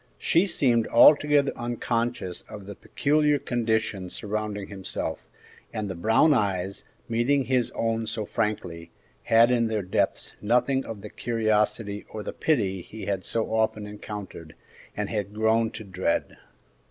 She seemed altogether unconscious of the peculiar conditions surrounding himself, and the brown eyes, meeting his own so frankly, had in their depths nothing of the curiosity or the pity he had so often encountered, and had grown to dread.